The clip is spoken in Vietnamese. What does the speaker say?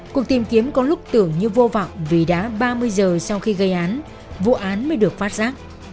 cuộc tìm kiếm có lúc tưởng như vô vọng vì đã ba mươi giờ sau khi gây án vụ án mới được phát giác